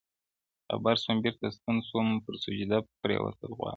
-خبر سوم- بیرته ستون سوم- پر سجده پرېوتل غواړي-